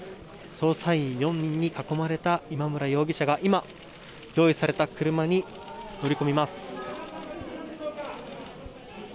捜査員４人に囲まれた今村容疑者が今、用意された車に乗り込みます。